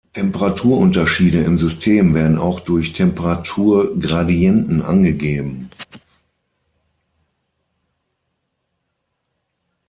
Temperaturunterschiede im System werden auch durch Temperaturgradienten angegeben.